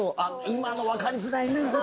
今のわかりづらいですね。